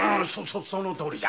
そのとおりじゃ。